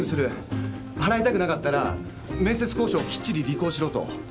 払いたくなかったら面接交渉をきっちり履行しろと。